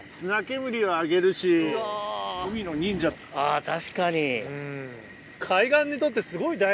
あ確かに。